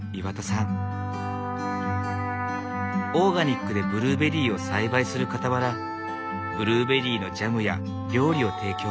オーガニックでブルーベリーを栽培するかたわらブルーベリーのジャムや料理を提供。